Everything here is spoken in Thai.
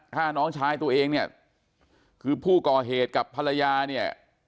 ฆ่าน้องชายตัวเองเนี่ยคือผู้ก่อเหตุกับภรรยาเนี่ย